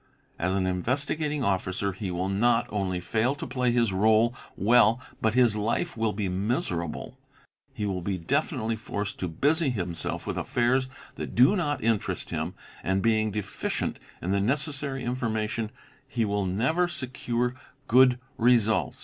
As an Investigating Officer he will not only fail to play his réle well but his life will be miserable; he will be definitely forced to busy himself with affairs that do not interest him and, being deficient in the necessary information, he will never secure good results.